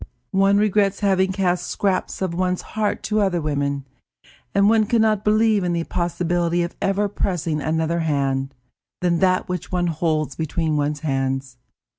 One regrets having cast scraps of one's heart to other women, and one can not believe in the possibility of ever pressing another hand than that which one holds between one's hands.